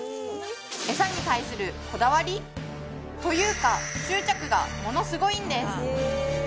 エサに対するこだわりというか執着がものすごいんです